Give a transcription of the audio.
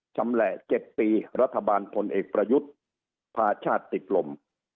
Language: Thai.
ชำแหละ๗ปีรัฐบาลพลเอกประยุทธ์พาชาติติดลม